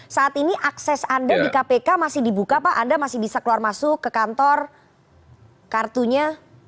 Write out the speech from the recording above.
saat ini akses anda di kpk masih dibuka pak anda masih bisa keluar masuk ke kantor kartunya